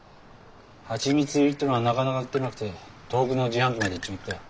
はちみつ入りってのがなかなか売ってなくて遠くの自販機まで行っちまったよ。